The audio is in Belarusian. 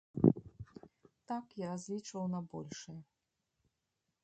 Так, я разлічваў на большае.